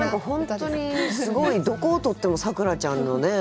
何か本当にすごいどこをとっても咲楽ちゃんのね